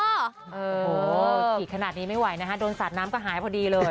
โอ้โหฉีดขนาดนี้ไม่ไหวนะคะโดนสาดน้ำก็หายพอดีเลย